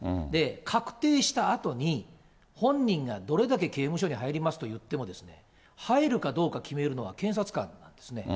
確定したあとに、本人がどれだけ刑務所に入りますと言っても、入るかどうか決めるのは検察官なんですね。